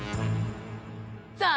さあ